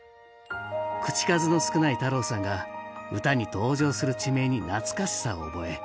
口数の少ない太朗さんが唄に登場する地名に懐かしさを覚え